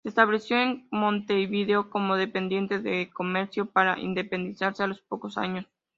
Se estableció en Montevideo como dependiente de comercio, para independizarse a los pocos años.